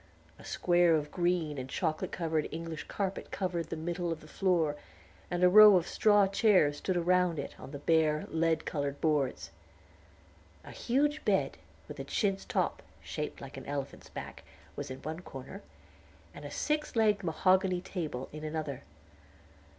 A square of green and chocolate colored English carpet covered the middle of the floor, and a row of straw chairs stood around it, on the bare, lead colored boards. A huge bed, with a chintz top shaped like an elephant's back, was in one corner, and a six legged mahogany table in another.